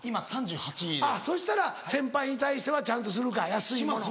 あっそしたら先輩に対してはちゃんとするか安いもの。